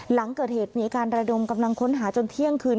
หลังเกิดเหตุมีการระดมกำลังค้นหาจนเที่ยงคืน